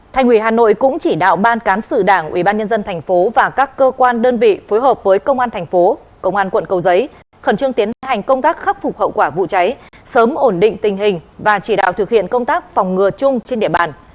thành ủy hà nội cũng chỉ đạo ban cán sự đảng ubnd tp và các cơ quan đơn vị phối hợp với công an thành phố công an quận cầu giấy khẩn trương tiến hành công tác khắc phục hậu quả vụ cháy sớm ổn định tình hình và chỉ đạo thực hiện công tác phòng ngừa chung trên địa bàn